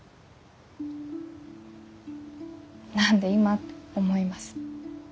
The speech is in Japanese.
何で今？って思います。